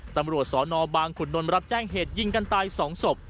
ตำรวจสนบางขุนนท์รับแจ้งเหตุยิงกันตาย๒ศพ